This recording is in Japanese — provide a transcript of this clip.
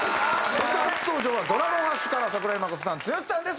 そして初登場はＤｒａｇｏｎＡｓｈから櫻井誠さんＴ＄ＵＹＯ＄ＨＩさんです。